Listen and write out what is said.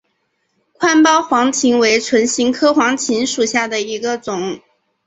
宽苞黄芩为唇形科黄芩属下的一个种。